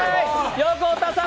横田さん